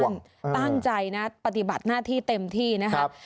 ตั้งใจนะปฏิบัติหน้าที่เต็มที่นะครับ